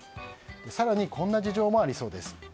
更に、こんな事情もありそうです。